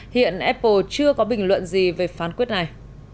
hiện apple chưa có bình luận gì về phán quyết này